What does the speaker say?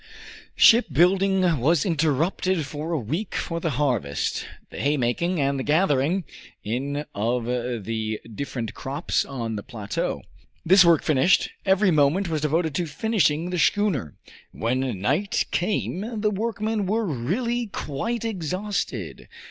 Shipbuilding was interrupted for a week for the harvest, the haymaking, and the gathering in of the different crops on the plateau. This work finished, every moment was devoted to finishing the schooner. When night came the workmen were really quite exhausted.